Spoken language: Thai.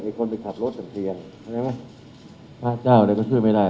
ไอ้คนไปขับรถแสงเทียงใช่ไหมพระเจ้าใด้ก็ช่วยไม่ได้